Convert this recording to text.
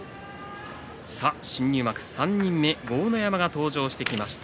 新入幕３人目豪ノ山が登場してきました。